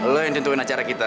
lo yang tentuin acara kita